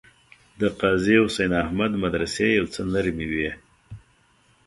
د قاضي حسین احمد مدرسې یو څه نرمې وې.